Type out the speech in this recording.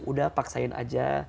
udah paksain aja